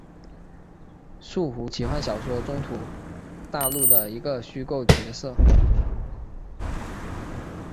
树胡奇幻小说中土大陆的一个虚构角色。